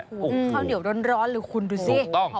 อืมข้าวเหนียวร้อนร้อนละคุณดูสิสุกต้อง